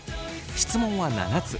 質問は７つ。